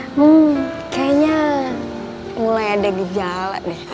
hmm kayaknya mulai ada gejala nih